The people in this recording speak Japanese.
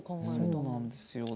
そうなんですよ。